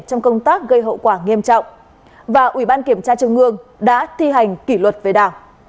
trong công tác gây hậu quả nghiêm trọng và ủy ban kiểm tra trung ương đã thi hành kỷ luật về đảng